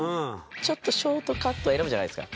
ちょっとショートカット選ぶじゃないですか。